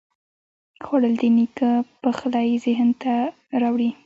خوړل د نیکه پخلی ذهن ته راوړي